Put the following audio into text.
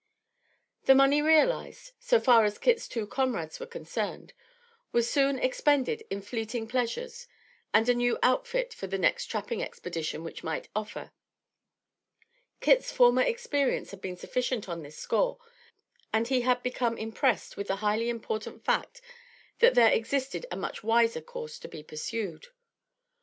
The money realized, so far as Kit's two comrades were concerned, was soon expended in fleeting pleasures and a new outfit for the next trapping expedition which might offer. Kit's former experience had been sufficient on this score, and he had become impressed with the highly important fact that there existed a much wiser course to be pursued.